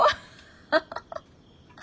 ハハハ。